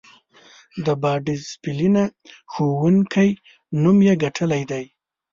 د با ډسیپلینه ښوونکی نوم یې ګټلی دی.